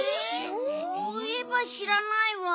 そういえばしらないわ。